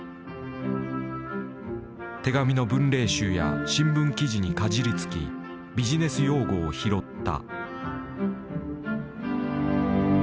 手紙の文例集や新聞記事にかじりつきビジネス用語を拾った。